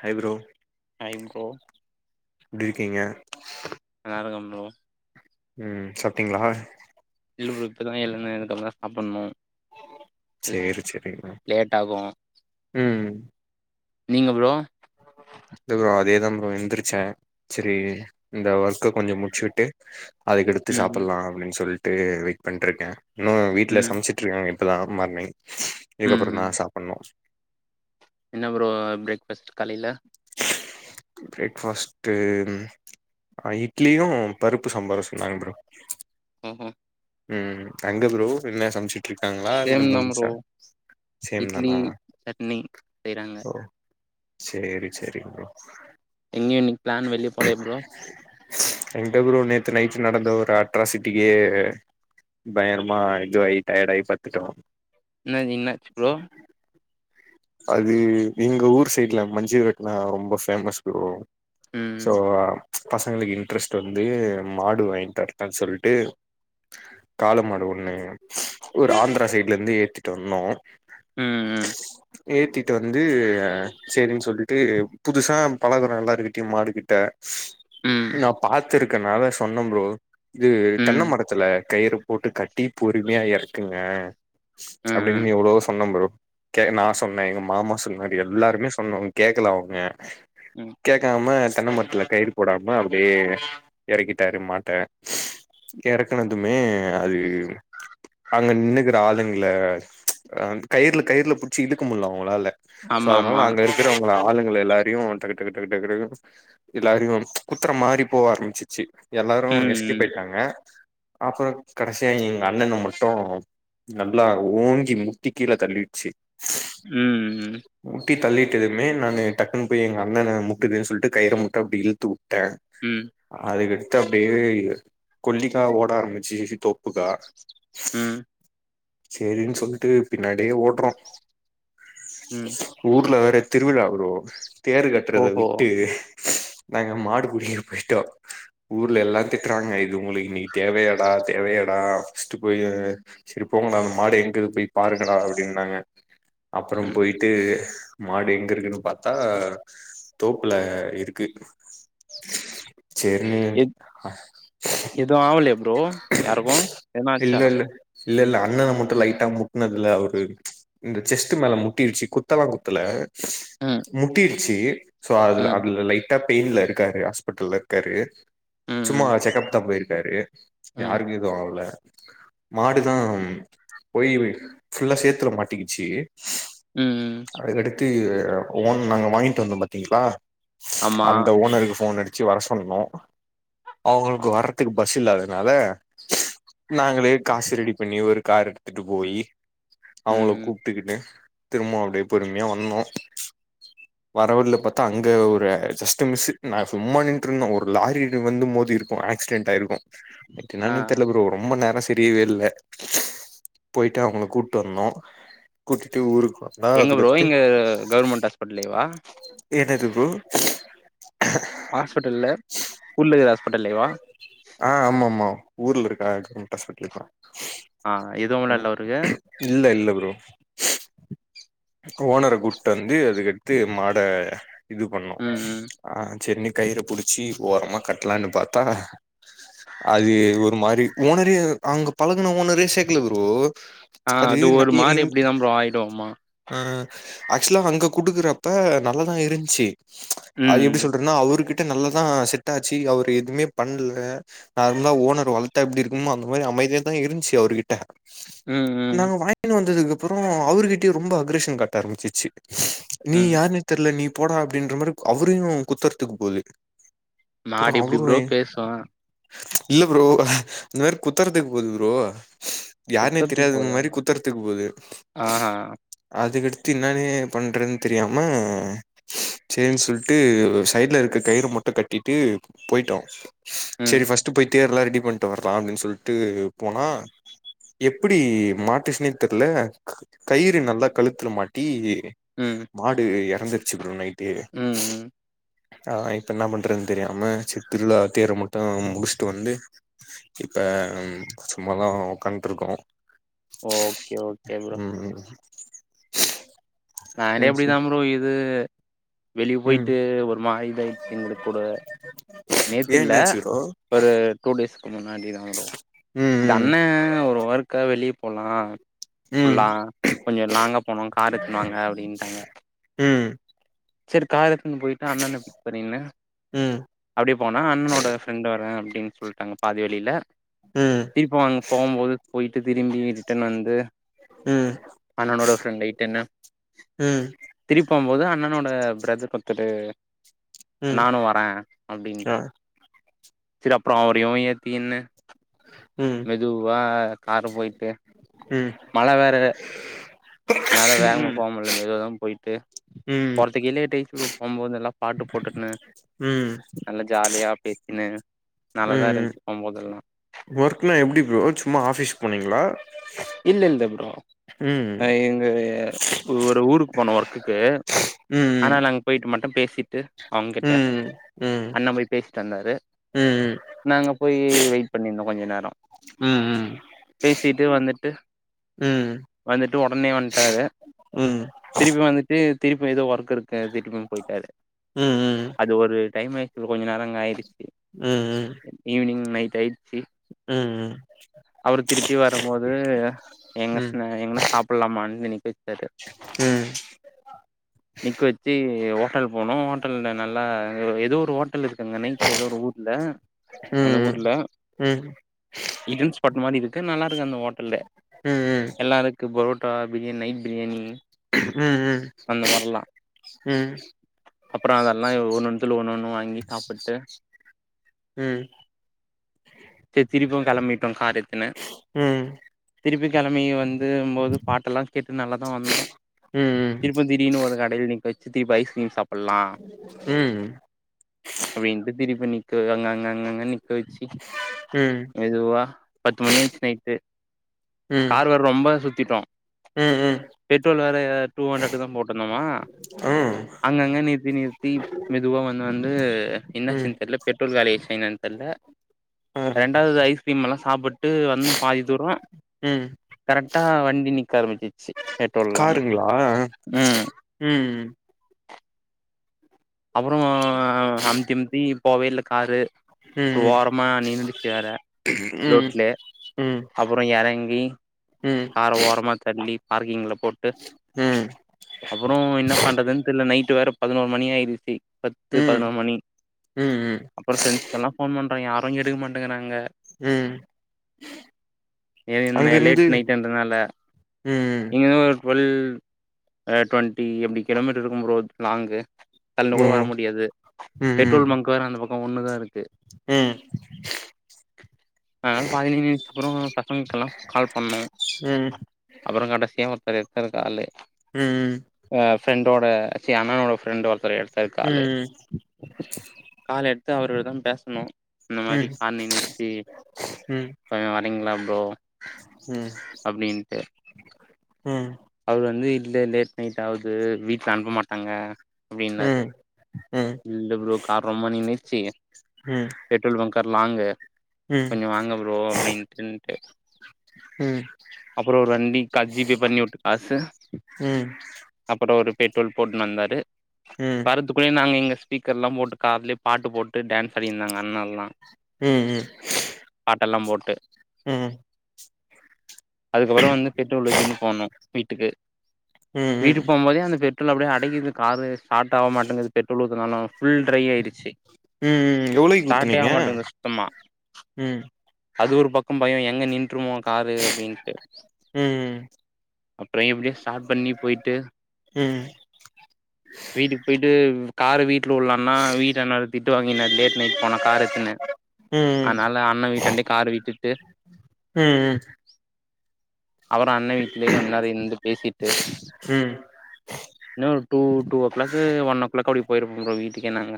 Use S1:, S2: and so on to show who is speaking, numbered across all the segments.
S1: Hi bro
S2: hi bro
S1: எப்டி இருக்கீங்க
S2: நல்லாருக்கே ப்ரோ
S1: ம் சாப்ட்டீங்ளா
S2: இல்ல ப்ரோ இப்பதா எழுந்தே இதுக்கப்புறந்தா சாப்புட்ணு
S1: சேரி சேரி ஓகே
S2: லேட் ஆகு
S1: ம்
S2: நீங்க ப்ரோ
S1: இல்ல ப்ரோ அதேதா ப்ரோ எந்திரிச்சே சரி இந்த ஒர்க்க கொஞ்சோ முட்ச்சுவிட்டு அதுகடுத்து
S2: ம் ம்
S1: சாப்ட்லா அப்டின் சொல்லி ட்டு வெயிட் பண்ட்ருக்கே இன்னு வீட்டுல
S2: ம்
S1: சமசிட்ருக்காங்க இப்பதா மார்னிங்
S2: ம்
S1: இதுக்கப்பறந்தா
S2: ம்
S1: சாப்புட்ணு
S2: என்ன ப்ரோ பிரேக்பாஸ்ட் காலைல
S1: பிரேக் பாஸ்ட்டு அ இட்லியு பருப்பு சாம்பாரு சொன்னாங்க ப்ரோ
S2: ம் ஹும்
S1: உம் அங்க ப்ரோ என்ன சமச்சி
S2: சேம் தா ப்ரோ
S1: சேம்
S2: இட்லி
S1: தானா
S2: சட்னி செய்றாங்க
S1: ஓ சேரி செரிங் ப்ரோ
S2: எங்கயு இன்னைக்கு பிளான் வெளிய போலயா ப்ரோ
S1: எங்க ப்ரோ நேத்து நைட்டு நடந்த ஒரு ஆ ட்ராசிட்டிக்கே பயங்கரமா இதுவாகி டயடாயி பட்த்துட்டோ
S2: என்னது இன்னாச்சு ப்ரோ
S1: அது எங்க ஊர் சைட்ல மஞ்சு விரட்டுனா ரொம்ப பேமஸ் ப்ரோ
S2: ம்
S1: சோ ஆ பசங்களுக்கு இன்ட்ரெஸ்ட் வந்து மாடு வாங்கி தர்தா தா சொல்ட்டு காள மாடு ஒன்னு ஒரு ஆந்திரா சைட்ல இருந்து ஏத்திட்டு வந்தோ
S2: உம் உம்
S1: ஏத்திட்டு வந்து செரின்னு சொல்லிட்டு புதுசா பழகுறோம் எல்லார்கிட்டயும் மாடுக்கிட்ட
S2: ம்
S1: நான் பாத் [unintelligible] த்துருக்குனால சொன்னே ப்ரோ இது தென்ன
S2: ம்
S1: மரத்துல கயிறு போட்டு கட்டி பொறுமையா எறக்குங்க
S2: ம் ம்
S1: அப்படின்னு எவ்வளோ சொன்னே புரோ கே நா சொன்னேன் எங்க மாமா சொன்னாப்படி எல்லாருமே சொன்னோம் கேக்கல அவங்க
S2: ம்
S1: கேக்காம தென்ன மட்ல கயிறு போடாம அப்படியே இறக்கிட்டாரு மாட்ட இறக்குனதுமே அது அங்க நின்னுகுற ஆளுங்கள கயிருல கயிருல புடிச்சிட்டு இழுக்க முடியல அவங்களால்ல சோ
S2: ஆமா
S1: அதனால
S2: ஆமா
S1: அங்க இருக்குறவங்க அங்க ஆளுங்கள எல்லாரையும் டக்கு டக்கு டக்கு டக்கு டக்கு எல்லாரையும் குத்துற மாறி போக ஆரம்பிச்சிருச்சு எல்லாரு
S2: ம்
S1: எஸ்கேப்
S2: ம்
S1: ஆயிட்டாங்க அப்றோ கடைசியா எங்க அண்ணன மட்டும் நல்லா ஓங்கி முட்டி கீழ தள்ளிடுச்சு
S2: ம் ம்
S1: முட்டி தள்ளி முட்டுனதுமே நான் டக்குன்ன போய் எங்க அண்ணன முட்டுதேன்னு சொல்லிட்டு கயிற முட்டு அப்படி இழுத்துவ இழுத்துட்டே
S2: ம்
S1: அது அப்படியே கொல்லிக்கா ஓட ஆரம்பிச்சு புரோ புகா
S2: ம்
S1: சேரின்னு சொல்லிட்டு பின்னாடியே ஓடுறோ
S2: ம்
S1: ஊர்ல வேற திருவிழா புரோ தேர் கட்டுறத
S2: ஓஹோ
S1: விட்டு நாங்க மாடுபுடிக்க போயிட்டோ ஊர்ல எல்லா திட்டுறாங்க இது உங்கள நீ தேவையடா தேவையடா பஸ்ட் போய் செரி போங்கடா அந்த மாடு எங்கனு போய் பாருங்கடா அப்படின்னாங்க அப்பறோ
S2: ம்
S1: போயிட்டு மாடு எங்க இருக்குன்னு பாத்தா தோப்புல இருக்கு சேரி நீ
S2: எ புரோ யாருக்கும் என்ன
S1: இல்ல
S2: ஆச்சா
S1: இல்ல இல்ல இல்ல அண்ணன மட்டு லைட்டா முட்னதுல அவரு இந்த செஸ்ட் மேல முட்டிடுச்சு குத்தலா குத்தல
S2: ம்
S1: முட்டி ச்சி சோ அது
S2: ம்
S1: அதுல லைட் லைட்டா பெயின்ல இருக்காரு ஹாஸ்பிட்டல்ல இருக்காரு
S2: ம்
S1: சும்மா
S2: ம்
S1: செக்கப் தா போயிருக்காரு
S2: ம்
S1: யாரக்கு எது ஆகல [inaudible] மாடு தா போய் ஃபுல்லா சேத்துல மாட்டிக்கிச்சு
S2: ம் ம்
S1: அதுக்கடுத்து ஒன் நாங்க வாங்கிட்டு வந்தோம் பாத்தீங்களா
S2: ஆமா.
S1: அந்த ஓனருக்கு போன் அடித் ஜீ வர சொல்னும் அவங்களுக்கு வரதுக்கு பஸ் இல்லாது [unintelligible] நாங்களே காசு ரெடி பண்ணி ஒரு கார் எடுத்துட்டு போயி அவங்கள
S2: ம்
S1: கூப்டுகிட்டு திரும்பவும் அப்படியே பொறுமையா வந்தோம் வர்ற வழில பாத்தா அங்க ஒரு ஜஸ்ட்ட மிஸ்ஸு நான் சும்மா நின்ட்டு இருந்தோம் ஒரு லாரி இது வந்து மோதியிருக்கும் ஆக்சிடெண்ட் ஆயிருக்கும் இருட்டு
S2: ஆ
S1: நானே தெரியல ப்ரோ ரொம்ப நேரம் தெரியவேயில்ல போயிட்டு அவங்கள கூப்டு வர்னும் கூட்டிட்டு ஊருக்
S2: எங்க ப்ரோ இங்க கவர்மெண்ட் ஹாஸ்பிட்லேவா
S1: ம்
S2: ஹாஸ்பெட்டல்ல உள்ள இருக்க ஹாஸ்
S1: ஆ ஆமாமா ஆமா ஊர்ல இருக்க கவர்மெண்ட் ஹாஸ்பிட்டல தான்
S2: ஆ இதுவும் நல்லாவ இருக்கு
S1: இல்ல இல்ல ப்ரோ ஓனர கூப்டு வந்த அதுக்கடுத்து மாட இது பண்ணோம்
S2: ம் ம்
S1: ஆங் சென்னைக் கயிறு புடிச்சி ஓரமா கட் கட்லாம்னு பாத்தா அது ஒரு மாரி ஓனரே அங்க பழகுன ஓனரே சைக்கிள் வருவோ
S2: ஆ அது ஒரு மாரி இப்படிதான் ப்ரோ ஆயிடும்மா
S1: ஆ ஆக்சுவலா அங்கே குடுக்குறப்ப நல்ல தான் இருச்சி
S2: ம்
S1: அது எப்புடி சொல்லுறதுனா அவருகிட் செட் நல்லதான் செட் ஆச் ஜீ அவர் எதுவுமே பண்ணல நார்மலா ஓனர் வளர்த்த எப்படி இருக்குமோ அந்த மாதிரி அமைதியா தான் இருச்சி அவர்கிட்ட
S2: ம் ம்
S1: நான் வாங்கினு வந்ததுக்கு அப்புறம் அவர்கிட்டயையும் ரொம்ப அக்ரஷன் காட்ட ஆரம்பிச்சிச்சி நீ
S2: ம்
S1: யார்னே தெர்ல நீ போடா அப்டின்ற மாரி அவுரையு குத்தற்துக்கு போது
S2: மாடு எப்டி ப்ரோ பேசோ
S1: ச்ச இல்ல ப்ரோ இந்த மாரி குத்தற்துக்கு போது ப்ரோ யார்னே
S2: குத்தத்துக்கு
S1: தெரியாதங்க
S2: போதா?
S1: மாரி குத்தற்துக்கு போது
S2: ஆஹா
S1: அதுக்கடு தின்னானே பண்றதுன் தெரியாம செரின் சொல்ட்டு வு சைட்ல இருக்க கயிறு மட்டு கட் டிட்டு போயிட்டோ
S2: ம்
S1: செரி ஃபர்ஸ்ட்டு போயி தேர்லா டி பண்ட்டோ வரக்கலாம் அப்டின் சொல்ட்டு போனா எப்புடி மாட்டிச்சினே தெர்ல க கயிறு நல்லா கழுத்துல மாட்டி
S2: ம்
S1: மாடு எ ரந்துச்சு ப்ரோ நைட்டு தேடு
S2: ம் ம்
S1: ஆ இப்ப என்னா பண் றதுன் தெரியாம ச்சு திருவிழா தேர மட்டொ முடிச்சுட்டு வந்து இப்ப அம் சும்மாதா உக்காந்து இருக்கோ
S2: ஓகே ஓகே ப்ரோ நானே
S1: ம்
S2: இப்டிதா
S1: சார்
S2: ப்ரோ இது வெளியே
S1: ம்
S2: போயிட்டு ஒரு மாரி டை எங்குளுக்கு கூட
S1: ஏ
S2: நேத்தில்ல
S1: என்னாச்சு ப்ரோ
S2: ஒரு டூ டேஸ் கொஞ்சோ முன்னாடிதா ப்ரோ
S1: ம்
S2: தண்ணே ஒரு ஒர்க்கா வெளி போலா
S1: ம் ம்
S2: ஃபுல்லா கொஞ்ச லாங்கா போனோ கார் எத் துன் வாங்க அப்டின்ட்டாங்க
S1: ம்
S2: செரி காரு துன் போயிட்டு அண்ணன பிக் பண்ணிங்னு
S1: ம்
S2: அப்டே போனா அண்ணனோட ஃப்ரெண்ட் வரே அப்டின் சொல்ட்டாங்க பாதி வழில
S1: ம்
S2: திருப்போ அங்க போம்போது போயி தி திரும்பி ரிட்டன் வந்து
S1: ம்
S2: அண்ணனோட ஃப்ரெண்ட்ட இட்டுனு
S1: ம்
S2: திருப் போம்போது அண்ணா னோட பிரதர் [unintelligible]
S1: ம்
S2: நானு வரே
S1: ஆ
S2: அப்டின்ட்டார் செரி அப்ரோ ஏதியோ ஏத்திகுன்னு
S1: ம்
S2: மெதுவா காரு போய்ட்டு
S1: ம்
S2: மழ வேற அதனால வேகமா
S1: ம்
S2: போக முடில மெதுவதா போயிட்டு
S1: ம்
S2: போறத்துக்கே லேட் ஆய்ச்சு இப்போ போம்போது நல்லா பாட்டு போட்டுக்ன்னு
S1: ம்
S2: ஜாலியா பேசினு நல்லாதா
S1: ம்
S2: இருந்ச்சு போம்போதெல்லா
S1: ஒர்க்னா எப்டி ப்ரோ சும்மா ஆஃபீஸ் போனீங்களா
S2: இல்ல இல்ல ப்ரோ
S1: ம்
S2: ஆ எங்க ஏ ஒ ஒரு ஊருக்கு போனோ ஒர்க் குக்கு
S1: ம்
S2: ஆனா நாங்க போய்ட்டு மட் டு பேசிட்டு அவங்கிட்ட
S1: ம் ம் ம்
S2: அண்ணா போய் பேசிட்டு வந்தாரு
S1: ம்
S2: நாங்க போய் வெயிட் பண்ணிருந்தோ கொஞ்ச நேரோ
S1: ம் ம்
S2: பே சீட்டு வந்துட்டு
S1: ம்
S2: வந்துட்டு ஒடனே வன்ட்டாரு
S1: ம்
S2: திருப்பி வந்துட்டு திருப்பி ஏதோ ஒர்க் இருக் கு அதுக்கு இதுன் போய்ட்டாரு
S1: ம் ம்
S2: அது ஒரு டைமு இப்போ கொஞ்ச நேரோ இங்க ஆய்டிச்
S1: ம் ம்
S2: நைட் ஆய்
S1: ம்
S2: திருப்பி
S1: ம்
S2: வரும்போது
S1: ம்
S2: எங்கஸ்னா எங்கன சாப்புல்லாமா ஒன் மினிட்டு கது நிக்க வெச்சு ஹோட்டல் போனோ ஹோட்டல்ல நல்லா ஏதோ ஒரு ஹோட்டல் இருக்குங்க நைட்ல ஏதோ ஒரு ஊருல அந்த
S1: ம்
S2: ஊருல
S1: ம்
S2: ஹிடன் ஸ்பாட் மாரி இருக் நல்லா இருக்கு அந்த ஹோ ட்டலு
S1: ம் ம் ம்
S2: எல்லாருக்கு பரோ ட்டா பிரியாணி நைட் பிரியாணி
S1: ம் ம்
S2: அந்த மாரில்லா
S1: ம்
S2: அப்றோ அதெல்லா யொ ஒண்ணு ஒண்ணுத்துல ஒண்ணு ஒண்ணு வாங்கி சாப்பிட்டு
S1: ம்
S2: சேரி திரிப்பியு கெளம்பிட்டோ கார் எத்துனு
S1: ம்
S2: திருப்பி கெளம்பி இங்க வந்து போது பாட்டெல்லா கேட்டு நல்லா தா வந்தோ திருப்ப திடிர்னு ஒரு கடையில நிக்க வெ திரிப்பி ஐஸ்கிரீம் சாப் டல்லா அப்டின்ட்டு திரிப்பி நி கு அங்கங்க அங்கங்க நீ க்க வெச்சி
S1: ம்
S2: மெதுவா பத்து மணி ஆய்ச் சேரி
S1: ம்
S2: கார்வர்ர ரொம்ப சுத்திட்டோ
S1: ம்
S2: பெட்ரோல் வேற டூ ஹண்ட்ரட்தா போட்டுந்தமா அங்கங்க நிறுத்தி நிறுத்தி மெதுவா வந் வந்து இது து
S1: ம்
S2: என்னாச்சுனு தெர்ல பெட்ரோல் காலியாச்சு என்னென் தெர்ல
S1: ஆ
S2: ரெண்டாவது ஐஸ்கிரீம்ல்லா சாப்புட்டு வந்தோ பாதி தூரோ
S1: ம்
S2: கரெக்டா வண்டி நிக்க ஆரம்பிச்சிருச்சி பெட்ரோல் இல்லாம
S1: காருங்களா
S2: ம்
S1: ம்
S2: அப்றோ அம்தி அம்தி கோவில்ல காரு
S1: ம்
S2: அப்றோ
S1: ம்
S2: ஓரமா நின்றிருச்சு வேற
S1: ம்
S2: லோட்லே
S1: ம்
S2: அப்றோ எறங் பி
S1: ம்
S2: கார் ஓரமா தள்ளி பார்கிங்ல்ல போட்டு
S1: ம்
S2: அப்றோ என்ன பண்றதுன்னு தெர்ல நைட்டு வேற பதினோரு மணியாயிரு ச்சி பத்து பதினோரு மணி
S1: ம்
S2: அப்றோ ஃபிரென்ஸ்கெல்லா ஃபோன் பண் ணா யாரு எடுக்க மாட்டேங்கறாங்க
S1: ம்
S2: ஏ
S1: அங்கிருந்து
S2: லேட் நைட்ன்றதுனால
S1: ம்
S2: இங்கன ஒரு டு்வெல் டு்வென்டி அப்டி கிலோமீட்டர் இருக்கு ப்ரோ லாங்கு தள்ளனுகூட
S1: ஓ
S2: வர முடியாது
S1: ம் ம்
S2: பெட்ரோல் பங்கு வேணா அந்த பக் கோ ஒன்னுதா இருக் கு
S1: ம் ம்
S2: அதனால பாதிலே நின்னுட்டு அப்றோ பசங்களுக்கெல்லா கால் பண்ணோ
S1: ம்
S2: அப்றோ கடைசியா ஒருத்தரு அவரு கால்லயே
S1: ம் ம்
S2: ஃபிரண்டோட ச்சி அண்ணனோட ஃபிரெண்டு ஒரு த்தரு எடு த்தாரு காலூ கால் எ த்து அவரோடதா பேசணு இந்த மாரி
S1: ம்
S2: கார் நின்னிருச்சி
S1: ம்
S2: கொஞ்சோ வர்ரீங்ளா ப்ரோ
S1: ம்
S2: அப்டின்ட்டு
S1: ம்
S2: அவரு வந்து இல்லல்ல லேட் நைட் ஆவுது வீட்ல அனுப்ப மாட்டாங்க அப்டின்னாரு
S1: ம் ம்
S2: இல்ல ஃப்ரோ கார் ரொம்ப நின்னு செய்ங்க
S1: ம்
S2: பெட்ரோல் பங்க்கு தர்லாங்கு
S1: ம்
S2: கொஞ்ஜோ வாங்க ஃப்ரோ அப்டின்ட்டுன்டு
S1: ம் ம்
S2: அப்றோ ஒரு வண்டி கா ஜிபே பண்ணிவுட்டு சர்
S1: ம்
S2: அப்ப ஒரு பெட்ரோல் போட்னு வந்தாரு
S1: ம்
S2: வர்றத்துகுள்ளயு நாங்க இங்க ஸ்பீக்கர்லா போட்டு கார்லயே பாட்டு போட்டு டான்ஸ் அடிட்ருந்தாங்க அண்ணலா பாட்டெல்லா போட் க
S1: ம் ம்
S2: அதுக்கப்பரோ வந்து பெட்ரோலு [unintelligible] போட்னோ வீட்டுக்கு
S1: ம்
S2: வீடு
S1: ம்
S2: போம்போதே அந்த பெட்ரோல் அப்டியே அடைக்கிது காரு ஸ்டார்ட் ஆவ மாட்டேங்குது பெட்ரோல் ஊத்துனாலு ஃபுல் ட்ரை ஆயிடுச்சு
S1: ம் ம் எவ்ளோயில்
S2: ஸ்டார்ட்டே
S1: ஊத்துனீங்க
S2: ஆக மாட்டேங்குது சுத்தமா
S1: ம் ம்
S2: அது ஒரு பக்கம் பயோ எங்க நின்றுமோ காரு அப்டின்ட்டு
S1: ம்
S2: அப்றோ எப்டியோ ஸ்டாட் பண்ணி போயிட்டு
S1: ம் ம்
S2: வீட்டுக்கு பொயிட்டு காரு வீட் வீட்ல உள்ள அண்ணா வீட்ட நடத்துட்டு வாங்கின லேட் நைட் போன கார் எத்துனு அதனால அண்ண வீட்டாண்டெயே காரு விட்டுட்டு
S1: ம்
S2: அவரா இப்டியே கொஞ்ச நேரோ இருந்து பேசிட்டு
S1: ம்
S2: இன்னோ ஒரு டூ ஓ க்ளாக்கு ஒன் ஓ க்ளாக்கு அப்டி போயிருப்போ ப்ரோ வீட்டுக்கே நாங்க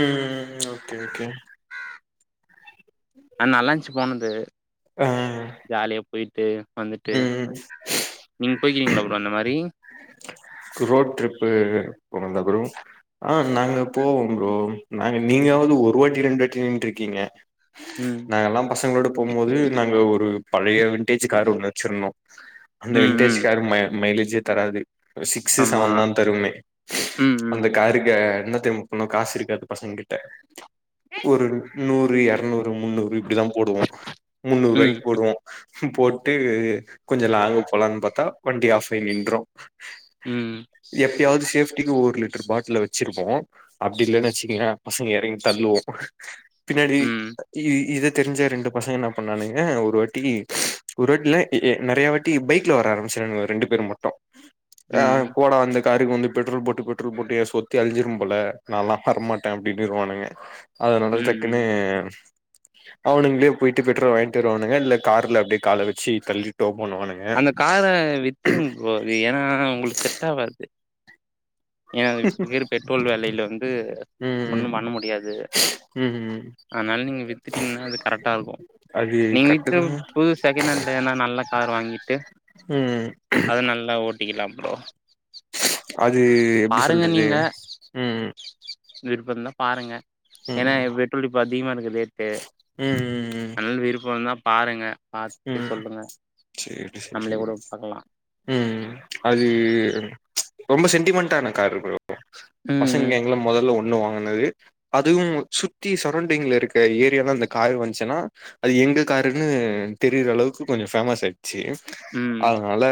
S1: ம் ம் ஓகே ஓகே
S2: ஆ நல்லாயிந்துச்சு போனது
S1: ஆ
S2: ஜாலியா பொயிட் ட்டு வந்துட்டு
S1: ம்
S2: நீ போயிருக்கீங்களா ப்ரோ அந்த மாரி
S1: ரோட் ட்ரிப்பு போனந்தா ப்ரோ ஆ நாங்க போவோ ஃப்ரோ நாங்க நீங்காவது ஒரு வாட்டி ரெண்டு வாட்டி நின்ட்டு இருக்கீங்க
S2: ம்
S1: நாங்கலா பசங்களோட போம்போது நாங்க ஒரு பலய விண்டேஜ் கார் ஒன்னு வச்சுருந்தோ அந்த
S2: ம்
S1: விண்டேஜ்
S2: ம்
S1: காரு ம மையிலேஜ் ஜே தராது அ சிக்ஸ்
S2: ஆமா
S1: செவன் தா தருமே
S2: ம் ம்
S1: அந்த காருக்க இன்னோர் டைமுக்கு போனா காசு இருக்காது பசங்க கிட்ட ஒரு நூறு எரநூறு தோ முன்னூறு இப்புடிதா போடுவோ
S2: ம்
S1: முன்னூறுவாய்க் போடுவோ போட்டு கொஞ்சொ லாங்கு போலான் பாத்தா வண்டி ஆஃப் ஆயி நின்ரு
S2: ம்
S1: எப்பயாவ்து சேஃப்டிக்கு ஒரு லிட் ட்ரு பாட்டில வச்சிருப்போ அப்டி இல்லனு வச்சுக்கயே பசங்க எறங்கி தள்ளுவோ பின்னாடி
S2: ம்
S1: இ இத தெரிஞ்ச ரெண்டு பசங்க என்ன பண்ணாணுங்க ஒரு வாட்டி ஒரு வாட்டில எ எ நறைய வாட்டி பைக்ல வர ஆரம்பிச்சாங்க ரெண்டு பேர் மட்டு ஆ
S2: ம்
S1: போட வந்து காருக் வந்து பெட்ரோல் போட்டு பெட்ரோல் போட்டு எ சொத்தே அழிஞ்சிரும் போல நால்லா வரமாட்ட அப்டின்னிருவாங்க அதனால
S2: ம்
S1: டக்குனு
S2: ம்
S1: அவனுங்களே போயிட்டு பெட்ரோல் வாய்ன்ட்டு வருவானுங்க இல்ல கார்ல அப்டியே கால வச்சி தள்ளிட்டோ
S2: அந்த கார வித்துருங் ப்ரோ அது ஏனா ஆ உங்களுக்கு செட் ஆவாது ஏனா [unintelligible] விக்கிர பெட்ரோல் வெலைல வந்து
S1: ம்
S2: ஒண்ணும் பண்ண முடியாது
S1: ம் ம்
S2: அனால நீங்க வித்துட்டீங்னா அது கரெக்ட்டா இருக்கு
S1: அது
S2: நீங்க வித்து
S1: கட்டுதா
S2: ஒர் புது செகண்ட் ஹாண்ட்ல எனா நல்ல கார் வாங்கி
S1: ம்
S2: அது நல்லா ஓட் டிக்கிலா ப்ரோ
S1: அது எப்டி சொல்றது ம்ம்
S2: விருப்பமிருந்தா பாருங்க ஏன்னா பெட்ரோலு இப்ப அதிகமா இருக்கு ட்டு
S1: ம் ம்
S2: அதனால் விருப்பம் இருந்தா பாருங்க பாத்துட்டு
S1: ம்
S2: சொல்லுங்க
S1: சேரி சேரி
S2: நம்மளே கூட பாக்கலா
S1: ம் அது ரொம்ப சென்டிமெண்ட்டான கார் புரோ
S2: ம்
S1: பசங்க
S2: ம்
S1: எங்கள மொதல்ல வாங்கினது அதுவும் சுத்தி சரவுண்டிங்ல இருக்க ஏரியா தான் காரு வந்துச்சன்னா அது எங்க காருன்னு தெரியற அளவுக்கு கொஞ்சம் ஃபேமஸ் ஆயிட் சேரி
S2: ம்
S1: அதனால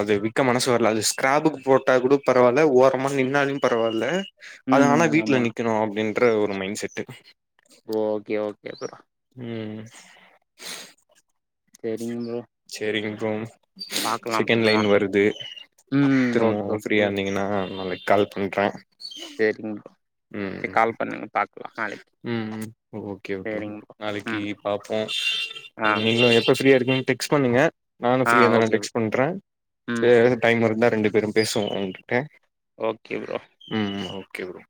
S1: அது விக்க மனசு வரல அது ஸ்கிரேபுக்கு போட்டா கூட பரவால ஓரமா நின்னாலயும் பரவாயில அது
S2: ம்
S1: ஆனா
S2: ம்
S1: வீட்டுல
S2: ஆமா
S1: நிக்கணும் அப்படின்னு ற்ற ஒரு மைண் செட்டு
S2: ஓகே ஓகே
S1: ம்ம்
S2: செரிங்கோ
S1: செரிகின்ரோம் செக்கேன்
S2: அப்றமா
S1: லைன் வருது
S2: ம் ஓகே
S1: திரும்பொவு
S2: ஓகே
S1: ஃப்ரீயா இருந்தீங்கன்னா நாளக் கால் பண்ற
S2: செரிங்
S1: ம் ம் ம் ம் ஓகே ஓகேயு
S2: சரிங்க ப்ரோ
S1: நாளக்கி
S2: ம்
S1: பாப்போ
S2: ஆ
S1: அங் நீங்ளு எப்ப ஃபி ஃப்ரீயா இருக்கும் டெக்ஸ் பண்ணுங்க நானு
S2: ஆ
S1: ஃப்ரீயா தா நா
S2: ஓகே ப்ரோ
S1: டெஸ்ட் பண்ற
S2: ம்
S1: ஏ டைம் இருந்தா ரெண்டு வெரும் பேஸ்வோ ஆன்ட் டேக்
S2: ஓகே ப்ரோ
S1: ம் ம் ஒ கெவுரு